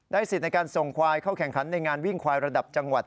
สิทธิ์ในการส่งควายเข้าแข่งขันในงานวิ่งควายระดับจังหวัด